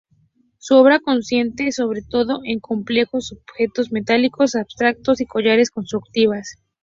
Su obra consiste sobre todo en complejos objetos metálicos abstractos y collages constructivistas.